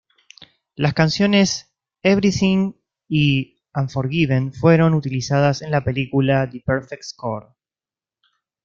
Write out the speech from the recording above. Las canciones Everything y Unforgiven fueron utilizadas en la película The Perfect Score.